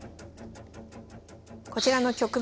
こちらの局面